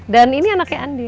dan ini anaknya andin